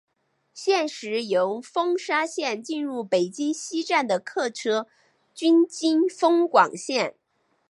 现时由丰沙线进入北京西站的客车均经丰广线。